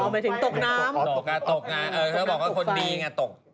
เอาไปถึงตกน้ำตกนะคุณบอกว่าคนดีไงตก